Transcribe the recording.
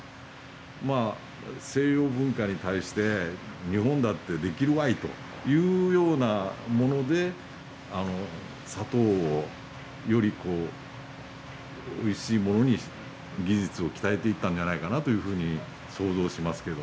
まあ西洋文化に対して「日本だってできるわい！」というようなもので砂糖をよりおいしいものに技術を鍛えていったんじゃないかなというふうに想像しますけど。